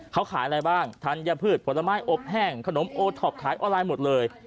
เขาขายอะไรบ้างธัญพืชผลไม้อบแห้งขนมโอท็อปขายออนไลน์หมดเลย